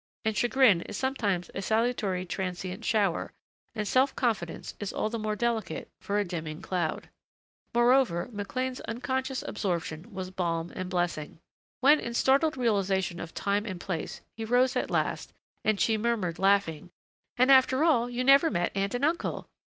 And chagrin is sometimes a salutary transient shower, and self confidence is all the more delicate for a dimming cloud. Moreover McLean's unconscious absorption was balm and blessing. When in startled realization of time and place he rose at last and she murmured laughing, "And after all you never met Aunt and Uncle!"